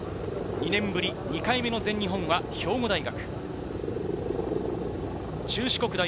２年ぶりに２度目の全日本は兵庫大学。